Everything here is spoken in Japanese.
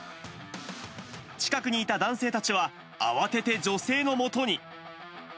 近くにいた男性たちは、慌てて女性のもとに。